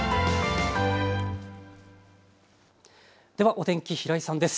お天気、平井さんです。